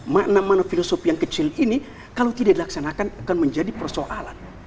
makna makna filosofi yang kecil ini kalau tidak dilaksanakan akan menjadi persoalan